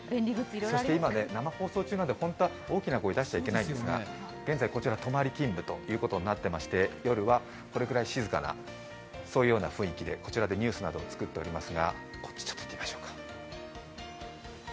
そして今、生放送中なんで本当は大きな声を出しちゃいけないんですが現在、こちら泊まり勤務ということになっていまして、夜はこれくらい静かな雰囲気で、こちらでニュースなども作っています。